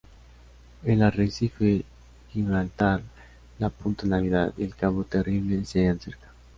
El arrecife Gibraltar, la punta Navidad y el cabo Terrible se hallan cerca.